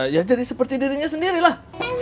ya jadi seperti dirinya sendirilah